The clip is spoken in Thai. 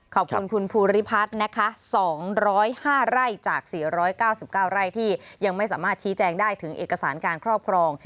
ขอบคุณคุณภูริพัฒน์นะคะ๒๐๕ไร่จาก๔๙๙ไร่ที่ยังไม่สามารถชี้แจงได้ถึงเอกสารการครอบครอง